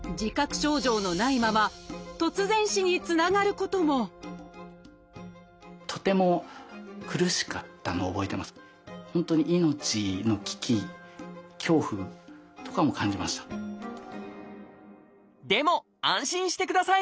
症状のないまま突然死につながることもでも安心してください。